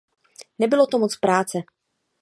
Nebylo to moc práce.